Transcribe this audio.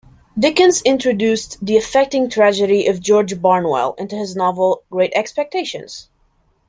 Dickens introduced "the affecting tragedy of George Barnwell" into his novel "Great Expectations".